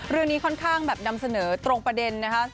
เรื่องนี้ค่อนข้างแบบนำเสนอตรงประเด็นนะคะ